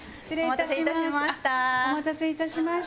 お待たせいたしました。